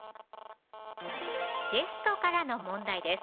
ゲストからの問題です